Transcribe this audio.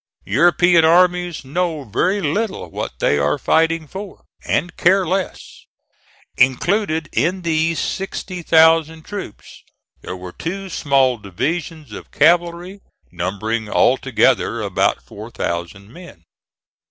European armies know very little what they are fighting for, and care less. Included in these sixty thousand troops, there were two small divisions of cavalry, numbering altogether about four thousand men.